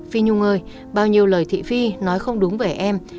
phí nhung ơi bao nhiêu lời thị phi nói không đúng về em